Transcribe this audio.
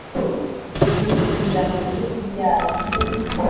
imbwa isubira ku birutsi byayo